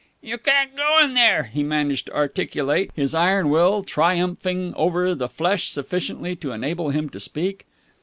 "You can't go in there!" he managed to articulate, his iron will triumphing over the flesh sufficiently to enable him to speak.